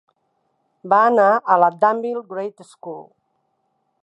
Va anar a la Danville Graded School.